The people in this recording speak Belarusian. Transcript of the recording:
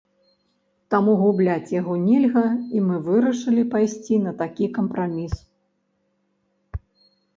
Таму губляць яго нельга, і мы вырашылі пайсці на такі кампраміс.